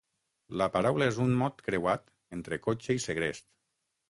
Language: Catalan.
La paraula és un mot creuat entre cotxe i segrest.